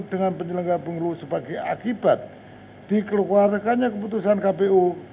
dengan penyelenggara pemilu sebagai akibat dikeluarkannya keputusan kpu